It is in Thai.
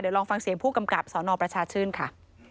ลองฟังเสียงผู้กำกับสนประชาชื่นค่ะ